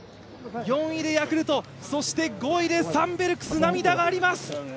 ４位でヤクルト、５位でサンベルクス涙があります。